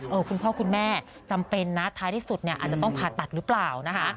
คุณพ่อคุณแม่จำเป็นนะท้ายที่สุดเนี่ยอาจจะต้องผ่าตัดหรือเปล่านะคะ